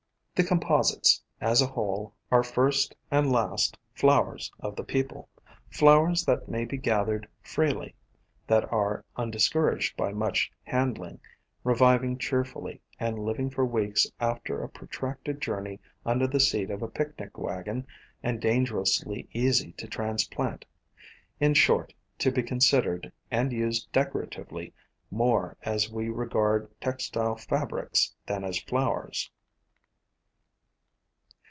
The Composites, as a whole, are first and last flow 252 A COMPOSITE FAMILY ers of the people, flowers that may be gathered freely, that are undiscouraged by much handling, reviving cheerfully and living for weeks after a protracted journey under the seat of a picnic wagon, and dangerously easy to transplant, — in short, to be considered and used decoratively more as we regard textile fabrics than as flowers.